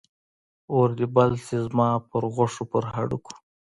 اور دې بل شي زما پر غوښو، پر هډوکو